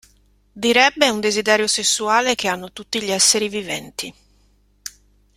Direbbe è un desiderio sessuale che hanno tutti gli essere viventi.